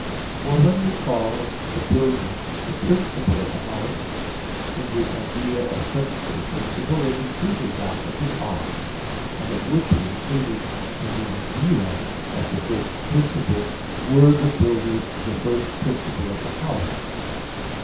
For when we call the builder the principle of the house, in the idea of such a principle is included that of his art; and it would be included in the idea of the first principle were the builder the first principle of the house.